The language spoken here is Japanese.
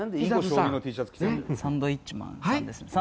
サンドウィッチマンさんですね。